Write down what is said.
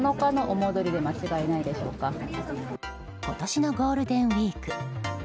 今年のゴールデンウィーク。